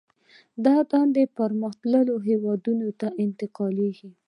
دا دندې پرمختللو هېوادونو ته انتقالېږي